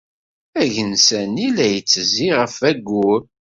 Agensa-nni la yettezzi ɣef Wayyur.